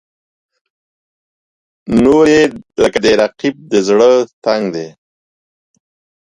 نورې یې لکه د رقیب زړه تنګ دي.